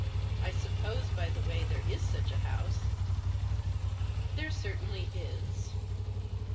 I suppose, by the way, there is such a house." " There certainly is.